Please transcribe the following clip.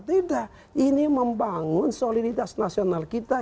tidak ini membangun soliditas nasional kita